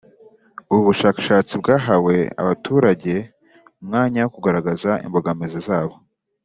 Ubu bushakashatsi bwahaye abaturage umwanya wo kugaragaza imbogamizi zabo